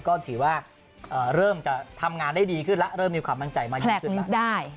ก็ถือว่าเริ่มจะทำงานได้ดีขึ้นแล้วเริ่มมีความมั่นใจมากยิ่งขึ้นแล้ว